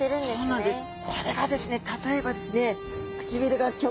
そうなんです。